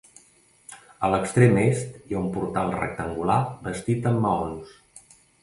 A l'extrem est hi ha un portal rectangular bastit amb maons.